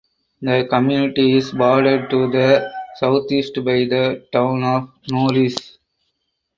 The community is bordered to the southeast by the town of Norris.